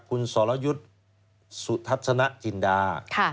คุณสอรยุทธัชนะจินดา